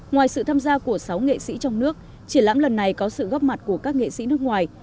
ngoài sự tham gia của sáu nghệ sĩ trong nước triển lãm lần này có sự góp mặt của các nghệ sĩ nước ngoài